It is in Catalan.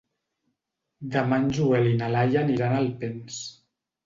Demà en Joel i na Laia aniran a Alpens.